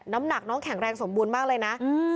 น้ำหนักน้องแข็งแรงสมบูรณ์มากเลยนะ